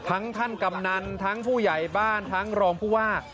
ทั้งท่านกำนันทั้งผู้ใหญ่บ้านทั้งรองผู้ว่า